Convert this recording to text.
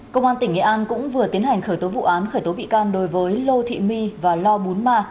công an tỉnh nghệ an cũng vừa tiến hành khởi tố vụ án khởi tố bị can đối với lô thị my và lo bún ma